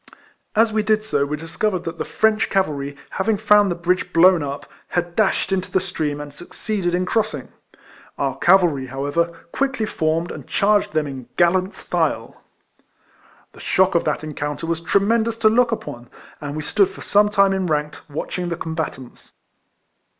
As we did so, we discovered that "the French cavalry, having found the bridge 178 RECOLLECTIONS OF blown up, had dashed into the stream, and succeeded in crossing. Our cavalry, how ever, quickly formed, and charged them in gallant style. The shock of that encounter was tremen dous to look upon, and we stood for some time enranked, watching the combatants.